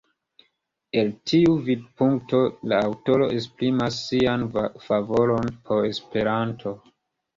El tiu vidpunkto, la aŭtoro esprimas sian favoron por Esperanto.